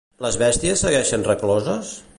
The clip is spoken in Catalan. Les bèsties segueixen recloses?